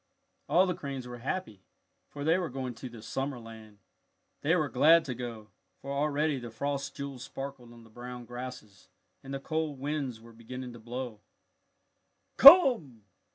All the cranes were happy, for they were going to the summer land. They were glad to go, for already the frost jewels sparkled on the brown grasses and the cold winds were beginning to blow. "Come!